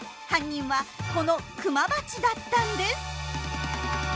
犯人はこのクマバチだったんです！